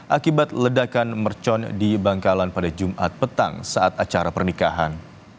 akibat ledakan mercon di bangkalan pada jumat petang saat acara pernikahan